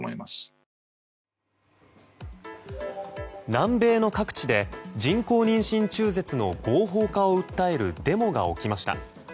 南米の各地で人工妊娠中絶の合法化を訴えるデモが起きました。